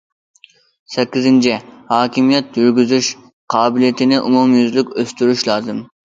سەككىزىنچى، ھاكىمىيەت يۈرگۈزۈش قابىلىيىتىنى ئومۇميۈزلۈك ئۆستۈرۈش لازىم.